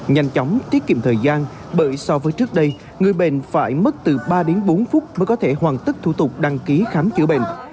nhanh chóng tiết kiệm thời gian bởi so với trước đây người bệnh phải mất từ ba đến bốn phút mới có thể hoàn tất thủ tục đăng ký khám chữa bệnh